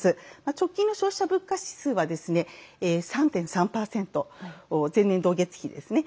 直近の消費者物価指数は３．３％、前年同月比ですね。